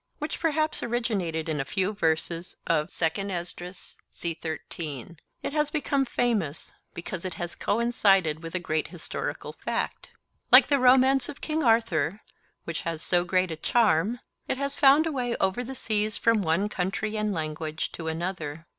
which perhaps originated in a few verses of II Esdras, it has become famous, because it has coincided with a great historical fact. Like the romance of King Arthur, which has had so great a charm, it has found a way over the seas from one country and language to another.